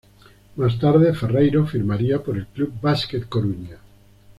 Más tarde, Ferreiro firmaría por el Club Basquet Coruña.